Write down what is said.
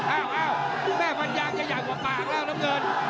อ้าวแม่มันยางจะใหญ่กว่าปากแล้วน้ำเงิน